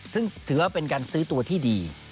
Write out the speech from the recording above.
ซึ่งถือว่าเป็นการซื้อตัวที่ดี